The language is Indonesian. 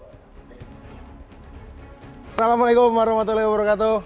assalamualaikum warahmatullahi wabarakatuh